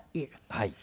はい。